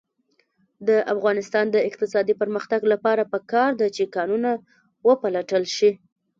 د افغانستان د اقتصادي پرمختګ لپاره پکار ده چې کانونه وپلټل شي.